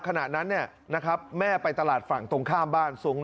ขณะนั้นเนี่ยนะครับแม่ไปตลาดฝั่งตรงข้ามบ้าน